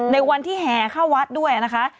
ในวันที่แห่เข้าวัดด้วยนะคะ